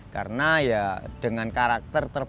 karena ya dengan karakter terbiaya